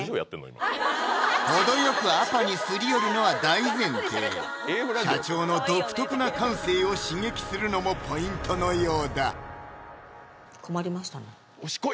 程よくアパに擦り寄るのは大前提社長の独特な感性を刺激するのもポイントのようだよし来い！